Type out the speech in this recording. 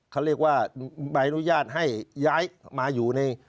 เขาเรียกว่าใบอนุญาตให้ย้ายมาอยู่ใน